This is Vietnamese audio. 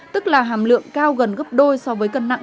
tức là hàm lượng cao gần gấp đôi so với cân nặng